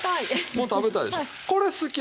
もう食べたいでしょう。